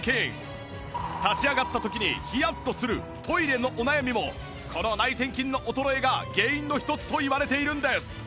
立ち上がった時にヒヤッとするトイレのお悩みもこの内転筋の衰えが原因の一つといわれているんです